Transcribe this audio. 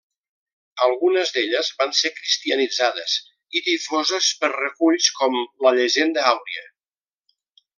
Algunes d'elles van ser cristianitzades i difoses per reculls com la Llegenda àuria.